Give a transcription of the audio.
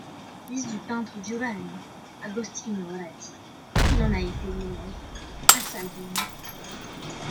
Fils du peintre Giovanni Agostino Ratti, il en a été l'élève à Savone.